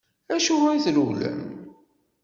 Acuɣeṛ i trewlem?